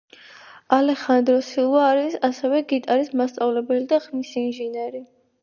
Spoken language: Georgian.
ალეხანდრო სილვა არის ასევე გიტარის მასწავლებელი და ხმის ინჟინერი.